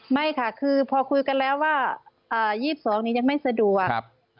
ไม่ค่ะคือพอคุยกันแล้วว่า๒๒นี้ยังไม่สะดวก